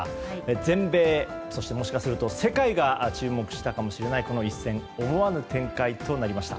全米、そしてもしかすると世界が注目したかもしれないこの一戦思わぬ展開となりました。